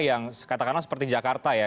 yang katakanlah seperti jakarta ya